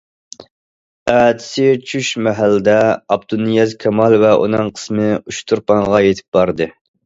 ئەتىسى چۈش مەھەلدە ئابدۇنىياز كامال ۋە ئۇنىڭ قىسمى ئۇچتۇرپانغا يېتىپ باردى.